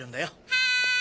はい！